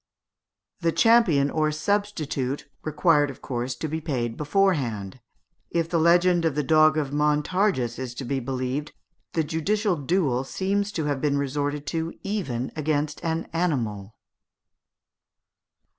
The champion or substitute required, of course, to be paid beforehand. If the legend of the Dog of Montargis is to be believed, the judicial duel seems to have been resorted to even against an animal (Fig.